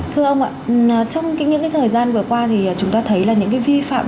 thưa ông ạ trong những thời gian vừa qua thì chúng ta thấy là những vi phạm